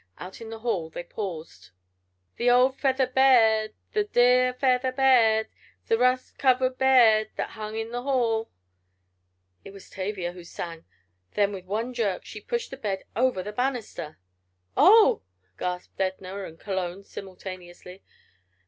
Out in the hall they paused. "The old feather be—ed! The de—ar feather be—ed! The rust covered be—ed that hung in the hall!" It was Tavia who sang. Then with one jerk she pushed the bed over the banister! "Oh!" gasped Edna and Cologne, simultaneously.